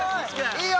いいよ！